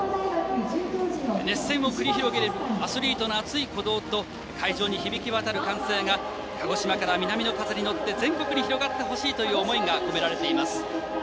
熱戦を繰り広げるアスリートの熱い鼓動と会場に響き渡る歓声が鹿児島から南の風に乗って全国に広がってほしいという思いが込められています。